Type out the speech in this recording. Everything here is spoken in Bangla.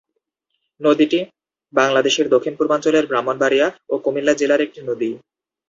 নদীটি বাংলাদেশের দক্ষিণ-পূর্বাঞ্চলের ব্রাহ্মণবাড়িয়া ও কুমিল্লা জেলার একটি নদী।